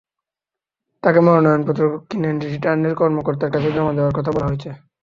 তাঁকে মনোনয়নপত্র কিনে রিটার্নিং কর্মকর্তার কাছে জমা দেওয়ার কথা বলা হয়েছে।